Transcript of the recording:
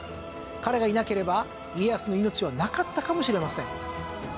彼がいなければ家康の命はなかったかもしれません。